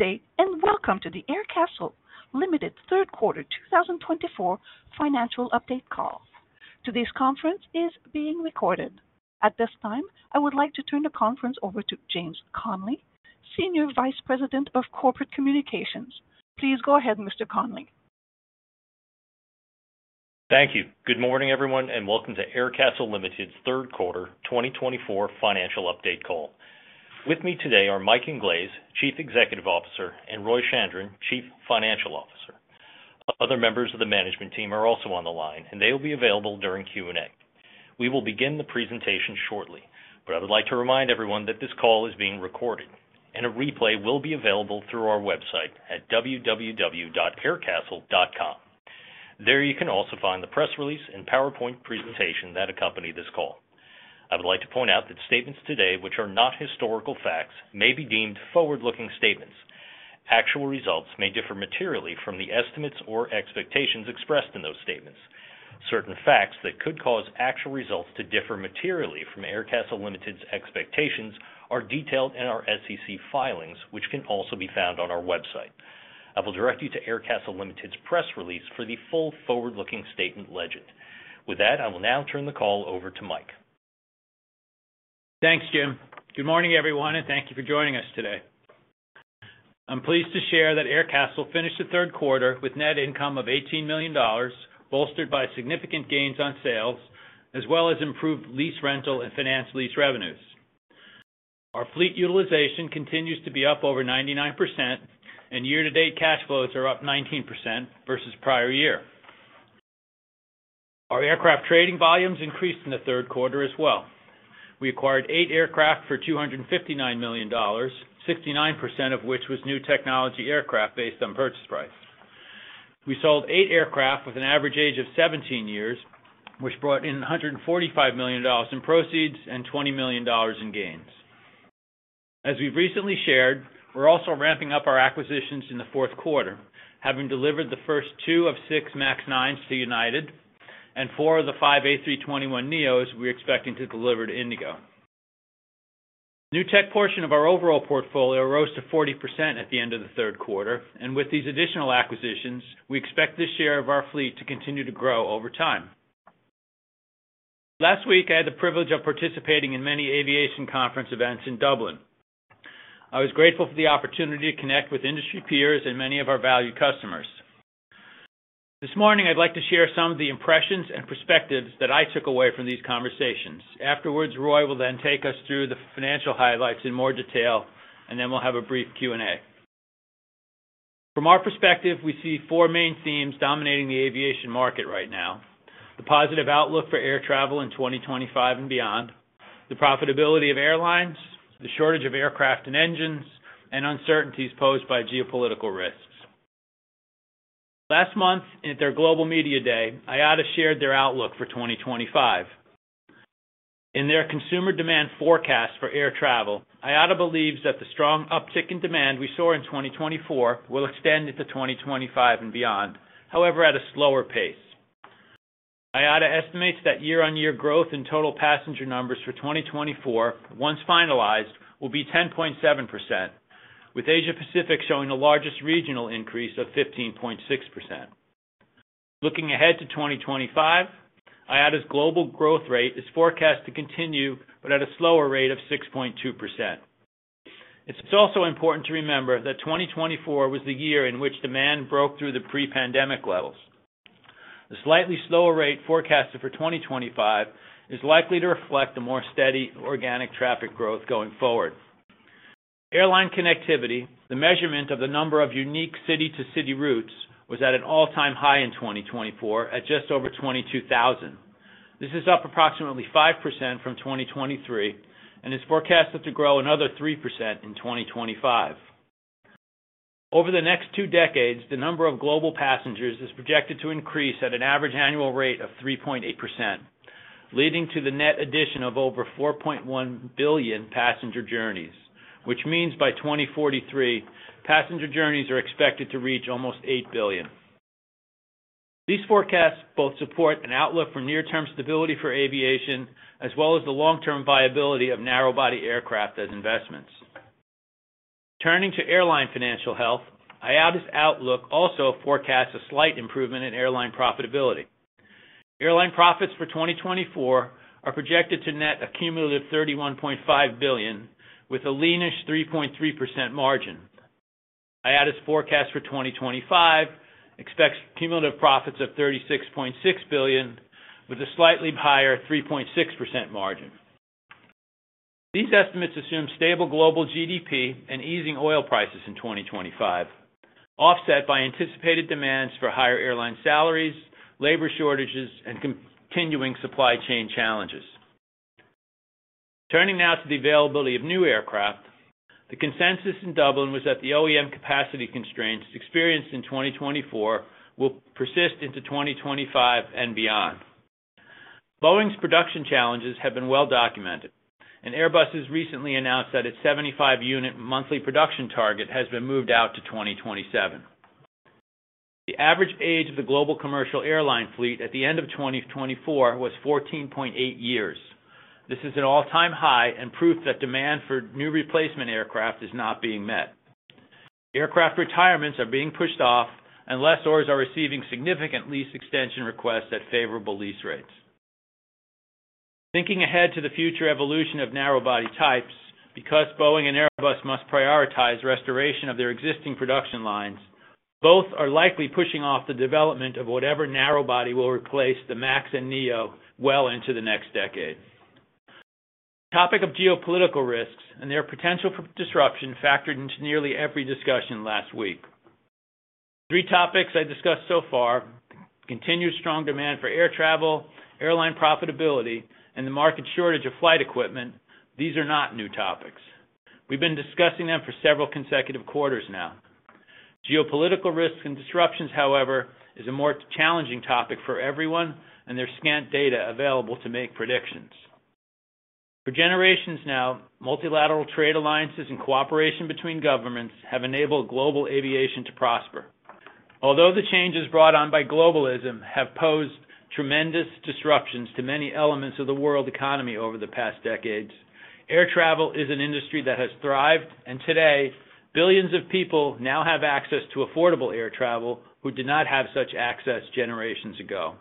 Good day, and welcome to the Aircastle Limited third quarter 2024 financial update call. Today's conference is being recorded. At this time, I would like to turn the conference over to James Connelly, Senior Vice President of Corporate Communications. Please go ahead, Mr. Connelly. Thank you. Good morning, everyone, and welcome to Aircastle Limited's third quarter 2024 financial update call. With me today are Mike Inglese, Chief Executive Officer, and Roy Chandran, Chief Financial Officer. Other members of the management team are also on the line, and they will be available during Q&A. We will begin the presentation shortly, but I would like to remind everyone that this call is being recorded, and a replay will be available through our website at www.aircastle.com. There you can also find the press release and PowerPoint presentation that accompany this call. I would like to point out that statements today, which are not historical facts, may be deemed forward-looking statements. Actual results may differ materially from the estimates or expectations expressed in those statements. Certain facts that could cause actual results to differ materially from Aircastle Limited's expectations are detailed in our SEC filings, which can also be found on our website. I will direct you to Aircastle Limited's press release for the full forward-looking statement legend. With that, I will now turn the call over to Mike. Thanks, Jim. Good morning, everyone, and thank you for joining us today. I'm pleased to share that Aircastle finished the third quarter with net income of $18 million, bolstered by significant gains on sales, as well as improved lease rental and financed lease revenues. Our fleet utilization continues to be up over 99%, and year-to-date cash flows are up 19% versus prior year. Our aircraft trading volumes increased in the third quarter as well. We acquired eight aircraft for $259 million, 69% of which was new technology aircraft based on purchase price. We sold eight aircraft with an average age of 17 years, which brought in $145 million in proceeds and $20 million in gains. As we've recently shared, we're also ramping up our acquisitions in the fourth quarter, having delivered the first two of six MAX 9s to United and four of the five A321neos we're expecting to deliver to IndiGo. The new tech portion of our overall portfolio rose to 40% at the end of the third quarter, and with these additional acquisitions, we expect this share of our fleet to continue to grow over time. Last week, I had the privilege of participating in many aviation conference events in Dublin. I was grateful for the opportunity to connect with industry peers and many of our valued customers. This morning, I'd like to share some of the impressions and perspectives that I took away from these conversations. Afterwards, Roy will then take us through the financial highlights in more detail, and then we'll have a brief Q&A. From our perspective, we see four main themes dominating the aviation market right now: the positive outlook for air travel in 2025 and beyond, the profitability of airlines, the shortage of aircraft and engines, and uncertainties posed by geopolitical risks. Last month, at their Global Media Day, IATA shared their outlook for 2025. In their consumer demand forecast for air travel, IATA believes that the strong uptick in demand we saw in 2024 will extend into 2025 and beyond, however, at a slower pace. IATA estimates that year-on-year growth in total passenger numbers for 2024, once finalized, will be 10.7%, with Asia-Pacific showing the largest regional increase of 15.6%. Looking ahead to 2025, IATA's global growth rate is forecast to continue, but at a slower rate of 6.2%. It's also important to remember that 2024 was the year in which demand broke through the pre-pandemic levels. The slightly slower rate forecasted for 2025 is likely to reflect a more steady organic traffic growth going forward. Airline connectivity, the measurement of the number of unique city-to-city routes, was at an all-time high in 2024 at just over 22,000. This is up approximately 5% from 2023 and is forecasted to grow another 3% in 2025. Over the next two decades, the number of global passengers is projected to increase at an average annual rate of 3.8%, leading to the net addition of over 4.1 billion passenger journeys, which means by 2043, passenger journeys are expected to reach almost 8 billion. These forecasts both support an outlook for near-term stability for aviation as well as the long-term viability of narrow-body aircraft as investments. Turning to airline financial health, IATA's outlook also forecasts a slight improvement in airline profitability. Airline profits for 2024 are projected to net a cumulative $31.5 billion, with a lean-ish 3.3% margin. IATA's forecast for 2025 expects cumulative profits of $36.6 billion, with a slightly higher 3.6% margin. These estimates assume stable global GDP and easing oil prices in 2025, offset by anticipated demands for higher airline salaries, labor shortages, and continuing supply chain challenges. Turning now to the availability of new aircraft, the consensus in Dublin was that the OEM capacity constraints experienced in 2024 will persist into 2025 and beyond. Boeing's production challenges have been well documented, and Airbus has recently announced that its 75-unit monthly production target has been moved out to 2027. The average age of the global commercial airline fleet at the end of 2024 was 14.8 years. This is an all-time high and proof that demand for new replacement aircraft is not being met. Aircraft retirements are being pushed off, and lessors are receiving significant lease extension requests at favorable lease rates. Thinking ahead to the future evolution of narrow-body types, because Boeing and Airbus must prioritize restoration of their existing production lines, both are likely pushing off the development of whatever narrow-body will replace the MAX and NEO well into the next decade. The topic of geopolitical risks and their potential for disruption factored into nearly every discussion last week. The three topics I discussed so far, continued strong demand for air travel, airline profitability, and the market shortage of flight equipment, these are not new topics. We've been discussing them for several consecutive quarters now. Geopolitical risks and disruptions, however, are a more challenging topic for everyone and their scant data available to make predictions. For generations now, multilateral trade alliances and cooperation between governments have enabled global aviation to prosper. Although the changes brought on by globalism have posed tremendous disruptions to many elements of the world economy over the past decades, air travel is an industry that has thrived, and today, billions of people now have access to affordable air travel who did not have such access generations ago.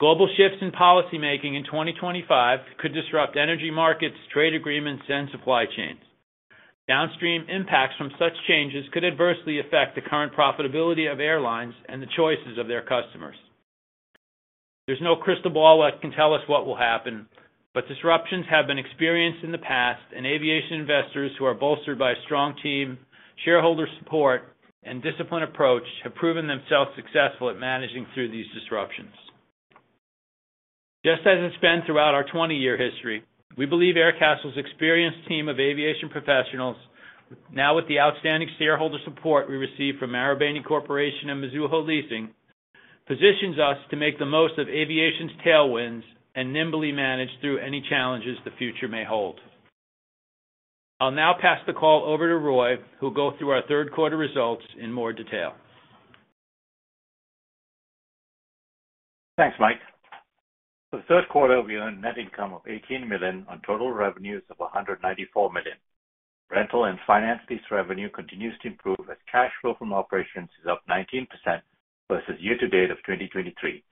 Global shifts in policymaking in 2025 could disrupt energy markets, trade agreements, and supply chains. Downstream impacts from such changes could adversely affect the current profitability of airlines and the choices of their customers. There's no crystal ball that can tell us what will happen, but disruptions have been experienced in the past, and aviation investors who are bolstered by a strong team, shareholder support, and disciplined approach have proven themselves successful at managing through these disruptions. Just as it's been throughout our 20-year history, we believe Aircastle's experienced team of aviation professionals, now with the outstanding shareholder support we received from Marubeni Corporation and Mizuho Leasing, positions us to make the most of aviation's tailwinds and nimbly manage through any challenges the future may hold. I'll now pass the call over to Roy, who will go through our third quarter results in more detail. Thanks, Mike. For the third quarter, we earned net income of $18 million on total revenues of $194 million. Rental and financed lease revenue continues to improve as cash flow from operations is up 19% versus year-to-date of 2023.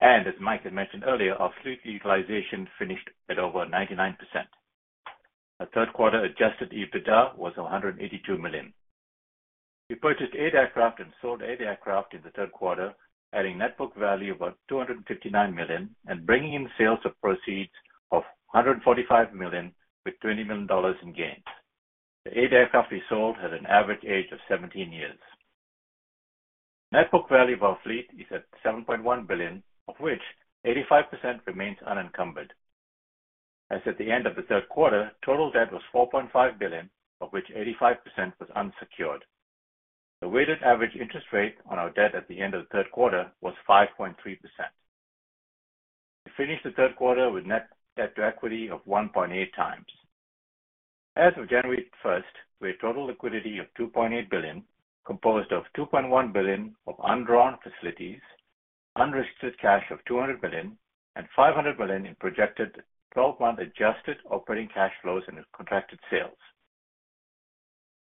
And as Mike had mentioned earlier, our fleet utilization finished at over 99%. Our third quarter Adjusted EBITDA was $182 million. We purchased eight aircraft and sold eight aircraft in the third quarter, adding net book value of $259 million and bringing in sales proceeds of $145 million, with $20 million in gains. The eight aircraft we sold had an average age of 17 years. Net book value of our fleet is at $7.1 billion, of which 85% remains unencumbered. As at the end of the third quarter, total debt was $4.5 billion, of which 85% was unsecured. The weighted average interest rate on our debt at the end of the third quarter was 5.3%. We finished the third quarter with net debt to equity of 1.8 times. As of January 1st, we had total liquidity of $2.8 billion, composed of $2.1 billion of undrawn facilities, unrestricted cash of $200 million, and $500 million in projected 12-month adjusted operating cash flows and contracted sales.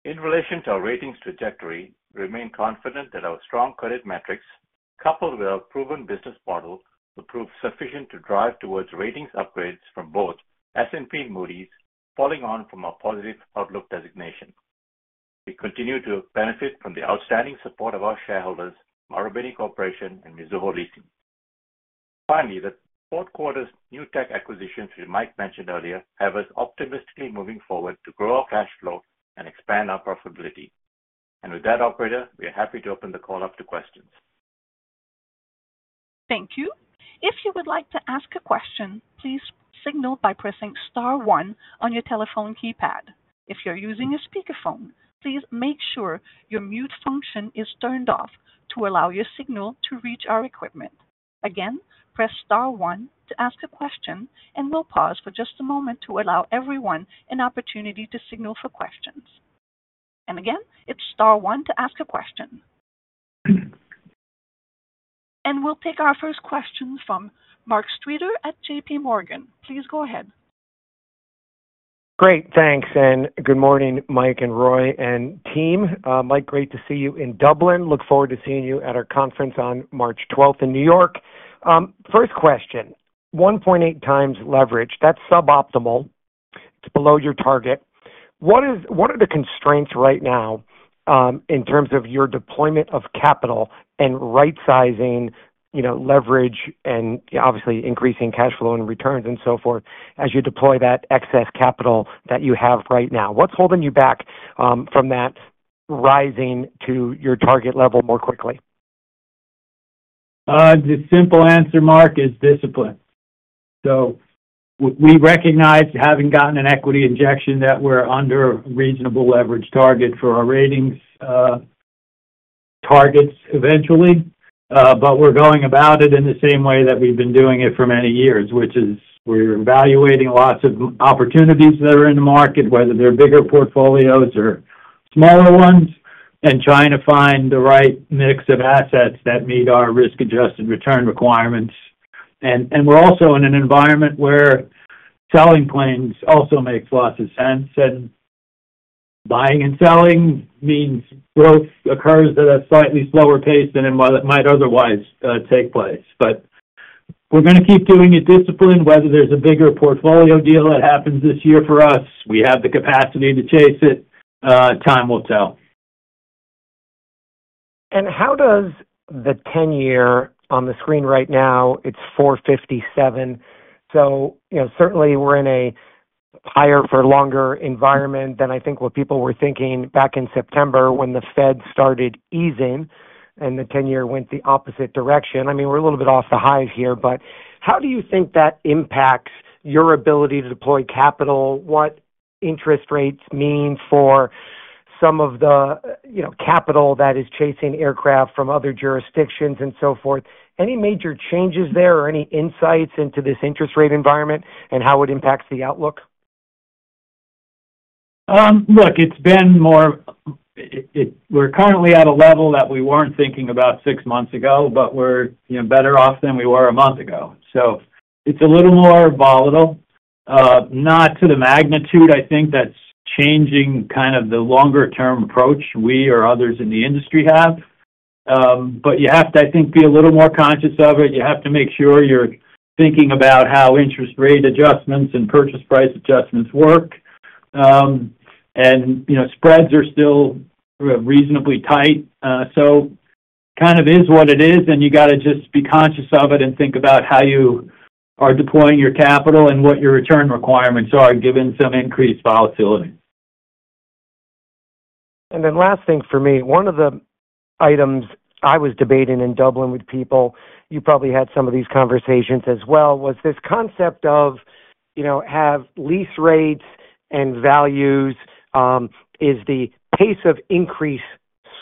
In relation to our ratings trajectory, we remain confident that our strong credit metrics, coupled with our proven business model, will prove sufficient to drive towards ratings upgrades from both S&P and Moody's, following on from our positive outlook designation. We continue to benefit from the outstanding support of our shareholders, Marubeni Corporation, and Mizuho Leasing. Finally, the fourth quarter's new tech acquisitions we might mention earlier have us optimistically moving forward to grow our cash flow and expand our profitability. With that, operator, we are happy to open the call up to questions. Thank you. If you would like to ask a question, please signal by pressing star one on your telephone keypad. If you're using a speakerphone, please make sure your mute function is turned off to allow your signal to reach our equipment. Again, press star one to ask a question, and we'll pause for just a moment to allow everyone an opportunity to signal for questions. And again, it's star one to ask a question. And we'll take our first question from Mark Streeter at JPMorgan. Please go ahead. Great. Thanks. And good morning, Mike and Roy and team. Mike, great to see you in Dublin. Look forward to seeing you at our conference on March 12th in New York. First question, 1.8 times leverage, that's suboptimal. It's below your target. What are the constraints right now in terms of your deployment of capital and rightsizing, leverage, and obviously increasing cash flow and returns and so forth as you deploy that excess capital that you have right now? What's holding you back from that rising to your target level more quickly? The simple answer, Mark, is discipline. So we recognize, having gotten an equity injection, that we're under a reasonable leverage target for our ratings targets eventually, but we're going about it in the same way that we've been doing it for many years, which is we're evaluating lots of opportunities that are in the market, whether they're bigger portfolios or smaller ones, and trying to find the right mix of assets that meet our risk-adjusted return requirements. And we're also in an environment where selling planes also makes lots of sense, and buying and selling means growth occurs at a slightly slower pace than it might otherwise take place. But we're going to keep doing it disciplined. Whether there's a bigger portfolio deal that happens this year for us, we have the capacity to chase it. Time will tell. And how does the 10-year on the screen right now? It's 457. So certainly, we're in a higher-for-longer environment than I think what people were thinking back in September when the Fed started easing and the 10-year went the opposite direction. I mean, we're a little bit off the highs here, but how do you think that impacts your ability to deploy capital? What interest rates mean for some of the capital that is chasing aircraft from other jurisdictions and so forth? Any major changes there or any insights into this interest rate environment and how it impacts the outlook? Look, it's been more, we're currently at a level that we weren't thinking about six months ago, but we're better off than we were a month ago, so it's a little more volatile, not to the magnitude, I think, that's changing kind of the longer-term approach we or others in the industry have, but you have to, I think, be a little more conscious of it. You have to make sure you're thinking about how interest rate adjustments and purchase price adjustments work, and spreads are still reasonably tight, so it kind of is what it is, and you got to just be conscious of it and think about how you are deploying your capital and what your return requirements are given some increased volatility. And then last thing for me, one of the items I was debating in Dublin with people, you probably had some of these conversations as well, was this concept of have lease rates and values, is the pace of increase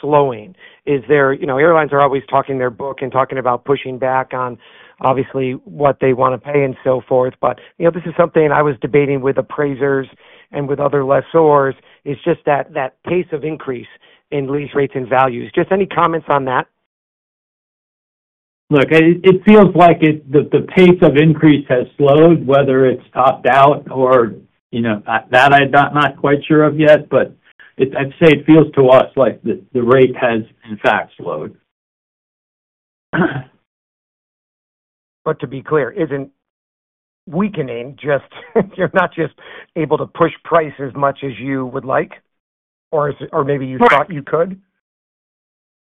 slowing? Airlines are always talking their book and talking about pushing back on, obviously, what they want to pay and so forth. But this is something I was debating with appraisers and with other lessors. It's just that pace of increase in lease rates and values. Just any comments on that? Look, it feels like the pace of increase has slowed, whether it's topped out or that I'm not quite sure of yet, but I'd say it feels to us like the rate has, in fact, slowed. But to be clear, isn't weakening just—you're not just able to push price as much as you would like, or maybe you thought you could?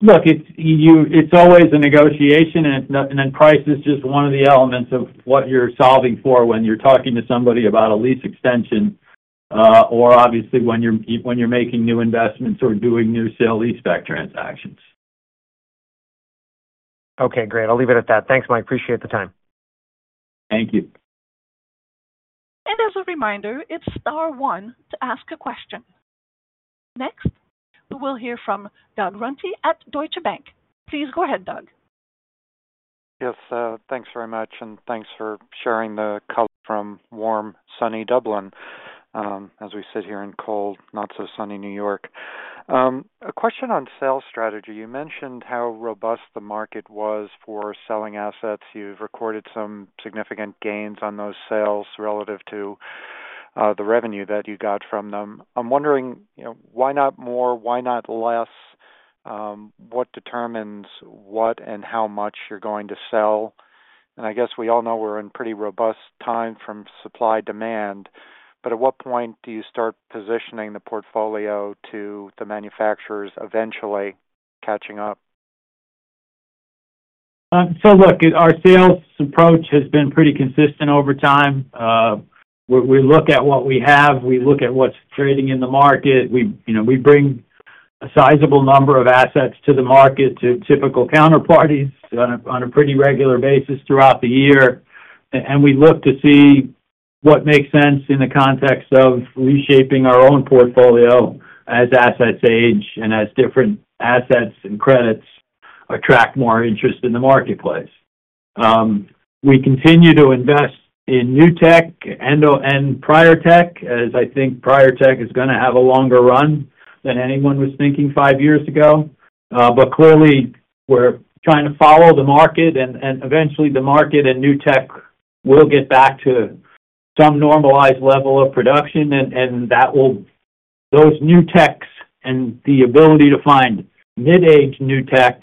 Look, it's always a negotiation, and then price is just one of the elements of what you're solving for when you're talking to somebody about a lease extension or, obviously, when you're making new investments or doing new sale lease-back transactions. Okay. Great. I'll leave it at that. Thanks, Mike. Appreciate the time. Thank you. As a reminder, it's star one to ask a question. Next, we will hear from Doug Runte at Deutsche Bank. Please go ahead, Doug. Yes. Thanks very much, and thanks for sharing the call from warm, sunny Dublin as we sit here in cold, not-so-sunny New York. A question on sales strategy. You mentioned how robust the market was for selling assets. You've recorded some significant gains on those sales relative to the revenue that you got from them. I'm wondering, why not more? Why not less? What determines what and how much you're going to sell? And I guess we all know we're in pretty robust time from supply demand, but at what point do you start positioning the portfolio to the manufacturers eventually catching up? So look, our sales approach has been pretty consistent over time. We look at what we have. We look at what's trading in the market. We bring a sizable number of assets to the market to typical counterparties on a pretty regular basis throughout the year. And we look to see what makes sense in the context of reshaping our own portfolio as assets age and as different assets and credits attract more interest in the marketplace. We continue to invest in new tech and prior tech, as I think prior tech is going to have a longer run than anyone was thinking five years ago. But clearly, we're trying to follow the market, and eventually, the market and new tech will get back to some normalized level of production, and those new techs and the ability to find mid-aged new tech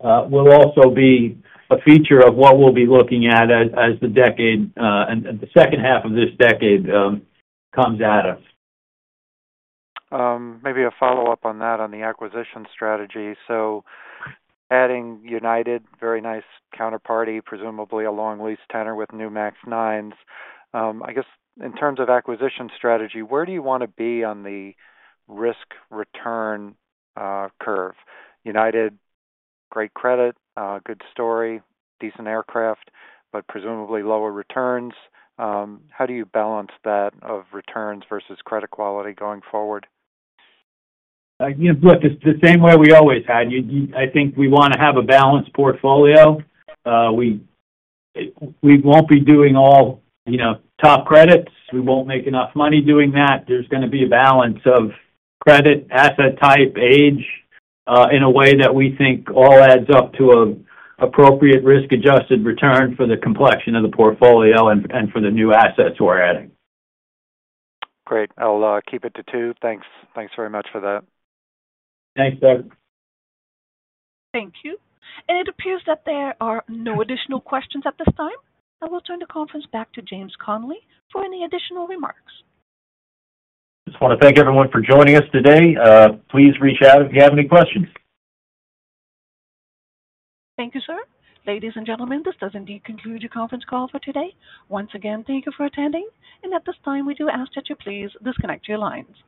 will also be a feature of what we'll be looking at as the decade and the second half of this decade comes out of. Maybe a follow-up on that, on the acquisition strategy. So adding United, very nice counterparty, presumably a long lease tenor with new max nines. I guess in terms of acquisition strategy, where do you want to be on the risk-return curve? United, great credit, good story, decent aircraft, but presumably lower returns. How do you balance that of returns versus credit quality going forward? Look, it's the same way we always had. I think we want to have a balanced portfolio. We won't be doing all top credits. We won't make enough money doing that. There's going to be a balance of credit, asset type, age in a way that we think all adds up to an appropriate risk-adjusted return for the complexion of the portfolio and for the new assets we're adding. Great. I'll keep it to two. Thanks. Thanks very much for that. Thanks, Doug. Thank you. And it appears that there are no additional questions at this time. I will turn the conference back to James Connelly for any additional remarks. Just want to thank everyone for joining us today. Please reach out if you have any questions. Thank you, sir. Ladies and gentlemen, this does indeed conclude your conference call for today. Once again, thank you for attending. And at this time, we do ask that you please disconnect your lines.